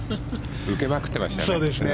受けまくってましたよね。